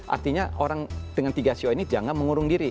artinya orang dengan tiga sio ini jangan mengurung diri